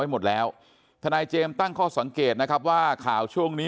หมดแล้วทนายเจมส์ตั้งข้อสังเกตนะครับว่าข่าวช่วงนี้